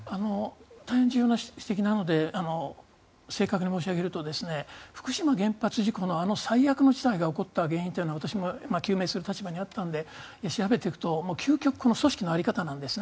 大変重要な指摘なので正確に申し上げると福島原発事故のあの最悪の状態が起こった原因というのは私も究明する立場にあったので調べていくと究極的に組織の在り方なんですね。